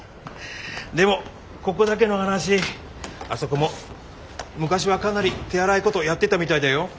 でもここだけの話あそこも昔はかなり手荒いことやってたみたいだよ。